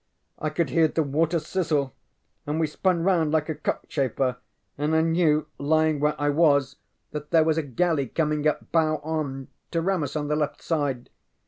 I could hear the water sizzle, and we spun round like a cockchafer and I knew, lying where I was, that there was a galley coming up bow on, to ram us on the left side.